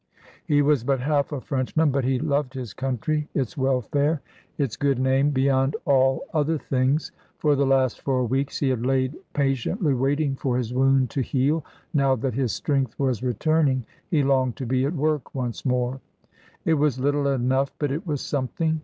He was but half a Frenchman, but he loved his country, its welfare, ADIEU LES SONGES d'OR. i8i its good name beyond all other things. For the last four weeks he had laid patiently waiting for his wound to heal, now that his strength was re turning he longed to be at work once more. It was little enough, but it was something.